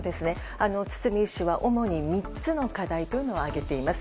堤医師は主に３つの課題を挙げています。